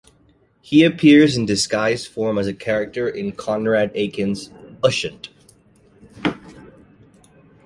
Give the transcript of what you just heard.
He appears in disguised form as a character in Conrad Aiken's "Ushant".